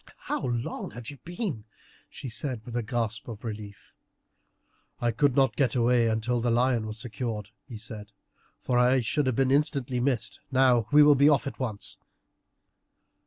"How long you have been!" she said with a gasp of relief. "I could not get away until the lion was secured," he said, "for I should have been instantly missed. Now we will be off at once."